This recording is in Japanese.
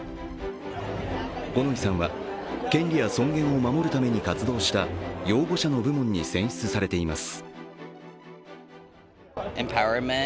五ノ井さんは、権利や尊厳を守るために活動した擁護者の部門に選出されています。